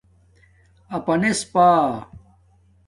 اپانس پݳ